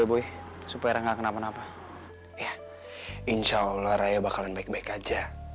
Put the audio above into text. insya allah raya akan baik baik saja